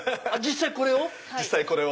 実際これを？